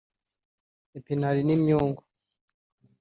epinari n’ imyungu